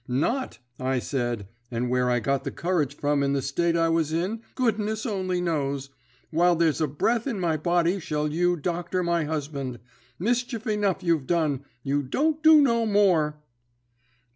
"'Not,' I said, and where I got the courage from in the state I was in, goodness only knows, 'while there's breath in my body shall you doctor my husband. Mischief enough you've done; you don't do no more.'